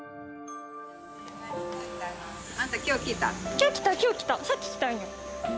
今日来た今日来たさっき来たんよ